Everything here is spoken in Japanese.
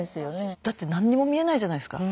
だって何にも見えないじゃないですか。